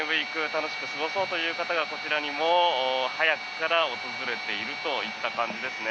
楽しく過ごそうという方がこちらにも早くから訪れているといった感じです。